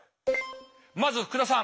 まず福田さん。